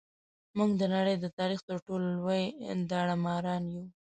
موږ د نړۍ د تاریخ تر ټولو لوی داړه ماران یو.